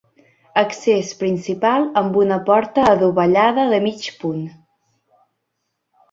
Accés principal amb una porta adovellada de mig punt.